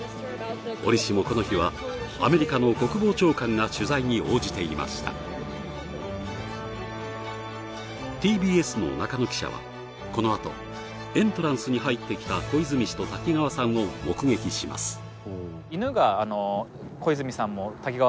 折しもこの日はアメリカの国防長官が取材に応じていましたＴＢＳの中野記者はこのあとエントランスに入ってきた小泉氏と滝川さんを目撃します